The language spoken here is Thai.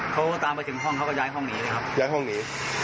เขาตามไปถึงห้องเขาก็ย้ายห้องหนีเลยครับย้ายห้องหนี